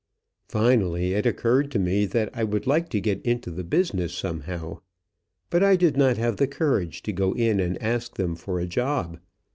Finally it occurred to me that I would like to get into the business, somehow. But I did not have the courage to go in and ask them for a job.